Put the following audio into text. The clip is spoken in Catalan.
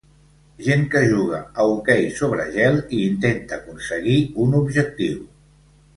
Gent que juga a hoquei sobre gel i intenta aconseguir un objectiu.